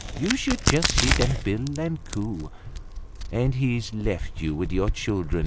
You should just see them bill and coo! And he's left you with your children.